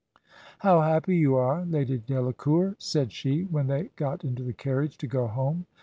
... 'How happy yoti are. Lady Delacour,' said she, when th€fy got into the carriage to go home